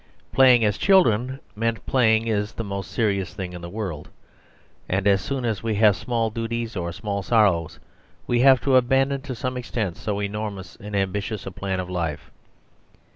Playing as children mean playing is the most serious thing in the world; and as soon as we have small duties or small sorrows we have to abandon to some extent so enormous and ambitious a plan of life.